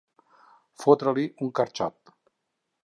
Fotre-li un carxot.